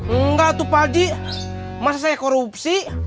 enggak tuh pak aji masa saya korupsi